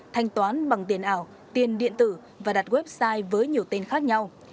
thanh toán bằng tiền ảo tiền điện tử và đặt website với nhiều tên khác nhau